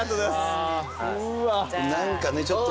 何かねちょっと。